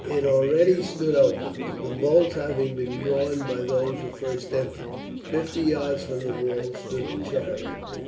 It already stood open, the bolts having been drawn by those who first entered. Fifty yards from the wall stood the chariot.